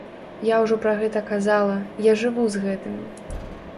Я ўжо пра гэта казала, я жыву з гэтым.